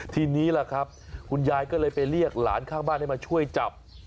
ทีนี้ล่ะครับคุณยายก็เลยไปเรียกหลานข้างบ้านให้มาช่วยจับ